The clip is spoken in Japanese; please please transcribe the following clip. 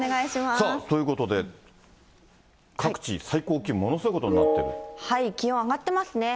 ということで、各地最高気温、気温上がってますね。